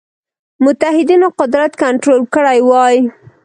متحدینو قدرت کنټرول کړی وای.